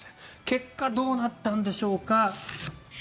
結果、どうなったんでしょうか。